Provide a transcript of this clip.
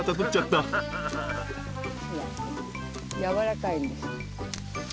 ほらやわらかいんです。